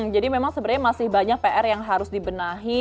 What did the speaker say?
jadi memang sebenarnya masih banyak pr yang harus dibenahi